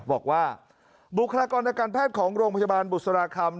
บอกว่าบุคลากรทางการแพทย์ของโรงพยาบาลบุษราคำ